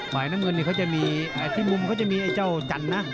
บ่ายน้ำเงินที่มุมเขาจะมีไอ้เจ้าจันนะ